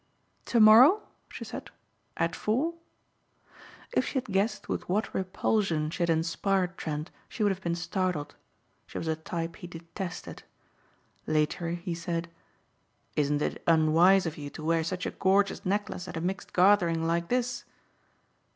"To morrow," she said, "at four." If she had guessed with what repulsion she had inspired Trent she would have been startled. She was a type he detested. Later he said: "Isn't it unwise of you to wear such a gorgeous necklace at a mixed gathering like this?"